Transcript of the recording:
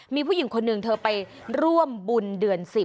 มีผู้หญิงคนหนึ่งเธอไปร่วมบุญเดือน๑๐